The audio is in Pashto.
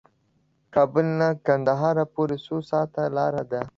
کابل نه قندهار پورې څو ساعته لار ده؟